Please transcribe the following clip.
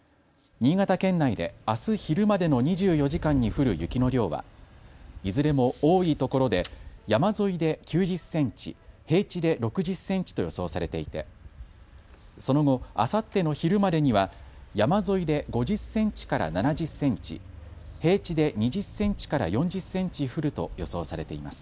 新潟県内であす昼までの２４時間に降る雪の量はいずれも多いところで山沿いで９０センチ、平地で６０センチと予想されていてその後、あさっての昼までには山沿いで５０センチから７０センチ、平地で２０センチから４０センチ降ると予想されています。